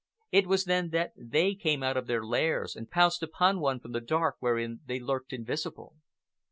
It was then that they came out of their lairs and pounced upon one from the dark wherein they lurked invisible.